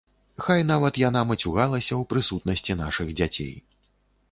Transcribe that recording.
Хай нават яна мацюгалася ў прысутнасці нашых дзяцей.